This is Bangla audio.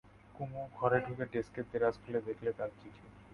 কুমু ঘরে ঢুকে ডেস্কের দেরাজ খুলে দেখলে তার চিঠি।